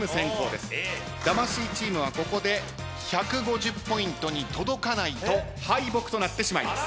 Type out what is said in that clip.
魂チームはここで１５０ポイントに届かないと敗北となってしまいます。